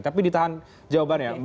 tapi ditahan jawabannya